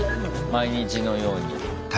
毎日のように。